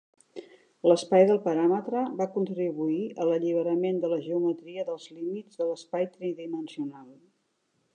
L'espai del paràmetre va contribuir a l'alliberament de la geometria dels límits de l'espai tridimensional.